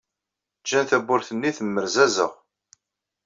Ǧǧan tawwurt-nni temmerzazeɣ.